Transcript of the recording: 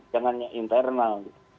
jangan yang internal